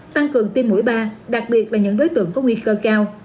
tăng cường tim mũi ba đặc biệt là những đối tượng có nguy cơ cao